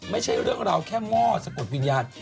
ไม่ใช่เรื่องราวแค่หม้อสะกดวิญญาณ